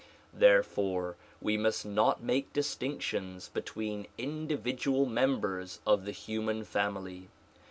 Therefoi'e we must not make distinctions between individual members of the human family.